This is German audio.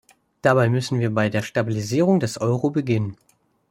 Dabei müssen wir bei der Stabilisierung des Euro beginnen.